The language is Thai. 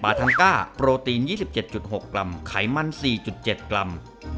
ทังก้าโปรตีน๒๗๖กรัมไขมัน๔๗กรัม